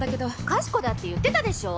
かしこだって言ってたでしょ？